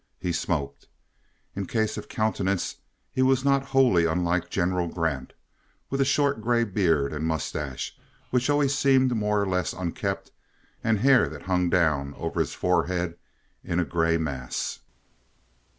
He smoked. In cast of countenance he was not wholly unlike General Grant, with a short gray beard and mustache which always seemed more or less unkempt and hair that hung down over his forehead in a gray mass.